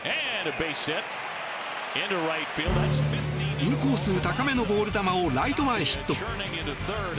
インコース高めのボール球をライト前ヒット。